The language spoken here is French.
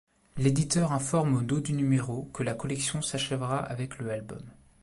L'éditeur informe au dos du numéro que la collection s'achèvera avec le album.